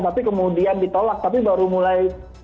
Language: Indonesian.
tapi kemudian ditolak tapi baru mulai